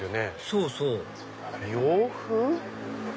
そうそう洋風？